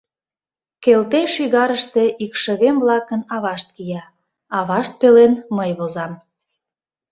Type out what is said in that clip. Келтей шӱгарыште икшывем-влакын авашт кия, авашт пелен мый возам.